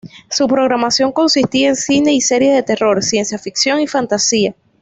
Su programación consistía en cine y series de terror, ciencia-ficción y fantasía.